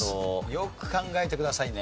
よく考えてくださいね。